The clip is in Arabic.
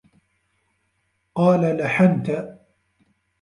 قَالَ لَحَنْتَ